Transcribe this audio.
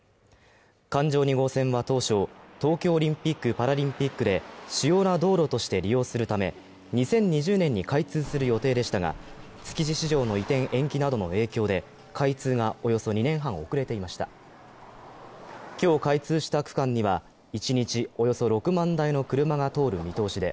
環状２号線は当初、東京オリンピック・パラリンピックで主要な道路として利用するため２０２０年に開通する予定でしたが、築地市場の移転延期などの影響で開通がおよそ２年半遅れていました今日開通した区間には一日およそ６万台の車が通る見通しで